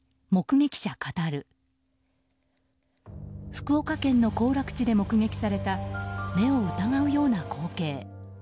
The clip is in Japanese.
福岡県の行楽地で目撃された目を疑うような光景。